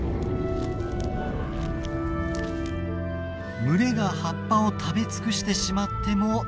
群れが葉っぱを食べ尽くしてしまっても大丈夫。